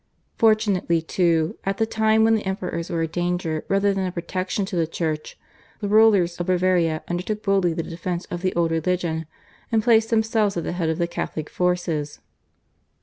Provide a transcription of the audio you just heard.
Fortunately, too, at the time when the Emperors were a danger rather than a protection to the Church, the rules of Bavaria undertook boldly the defence of the old religion, and placed themselves at the head of the Catholic forces.